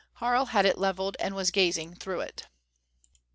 Harl had it leveled and was gazing through it.